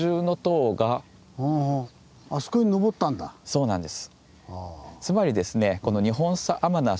そうなんです。